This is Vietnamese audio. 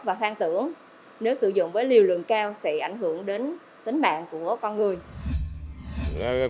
và hoang tưởng nếu sử dụng với liều lượng cao sẽ ảnh hưởng đến tính mạng của con người